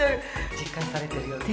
実感されてるようで。